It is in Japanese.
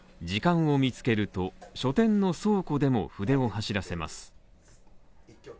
時間を見つけると、書店の倉庫でも筆を走らせます。